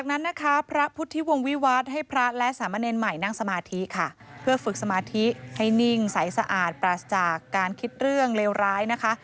นิ่งสายสะอาดปราศจากการคิดเรื่องเลวร้ายนะคะ